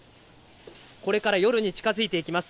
これから夜に近づいていきます。